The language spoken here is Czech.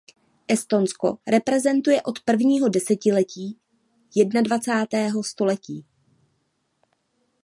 Estonsko reprezentuje od prvního desetiletí jednadvacátého století.